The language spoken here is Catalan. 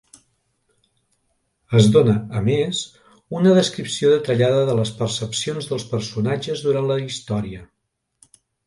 Es dóna a més una descripció detallada de les percepcions dels personatges durant la història.